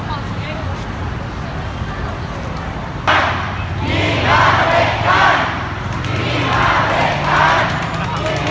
อัศวินธรรมชาติอัศวินธรรมชาติ